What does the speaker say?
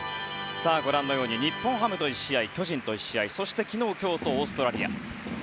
ご覧のように日本ハムと１試合巨人と１試合そして昨日、今日とオーストラリア。